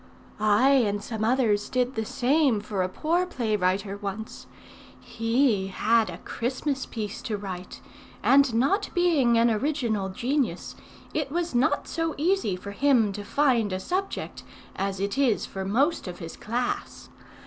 "I and some others did the same for a poor play writer once. He had a Christmas piece to write, and [not] being an original genius, it was not so easy for him to find a subject as it is for most of his class.